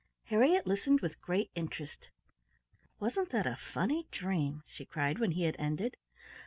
Harriett listened with great interest. "Wasn't that a funny dream?" she cried when he had ended.